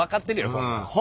そんなん。